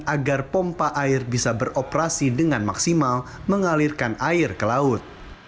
agar pompa air bisa beroperasi dengan maksimal mengalirkan air ke laut